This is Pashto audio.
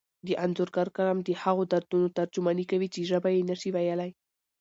د انځورګر قلم د هغو دردونو ترجماني کوي چې ژبه یې نشي ویلی.